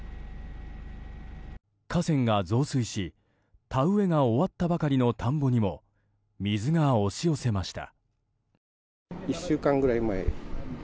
河川が増水し、田植えが終わったばかりの田んぼにも水が押し寄せました。